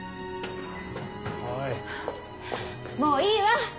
もういいわ！